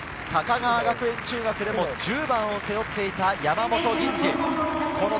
高川学園中学でも１０番を背負っていた山本吟侍。